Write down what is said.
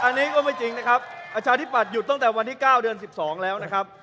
อันนี้ก็ไม่จริงนะครับประชาธิบัตย์หยุดตั้งแต่วันที่๙เดือน๑๒แล้วนะครับ